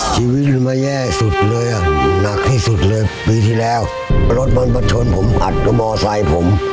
ชีวิตมันมาแย่สุดเลยอ่ะหนักที่สุดเลยปีที่แล้วรถมันมาชนผมอัดกับมอไซค์ผม